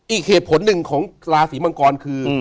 อีกเหตุผลหนึ่งของราศีมังกรคือ